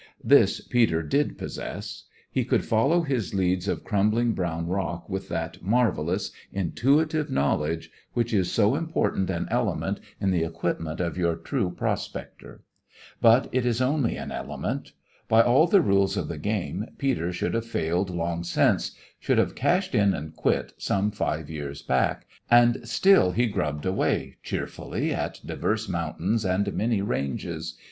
This Peter did possess. He could follow his leads of crumbling brown rock with that marvellous intuitive knowledge which is so important an element in the equipment of your true prospector. But it is only an element. By all the rules of the game Peter should have failed long since, should have "cashed in and quit" some five years back; and still he grubbed away cheerfully at divers mountains and many ranges.